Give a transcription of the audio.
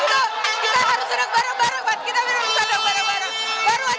tidak kita harus senang bareng bareng mbak kita harus senang bareng bareng